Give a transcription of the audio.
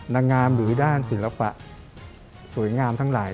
นางงามหรือด้านศิลปะสวยงามทั้งหลาย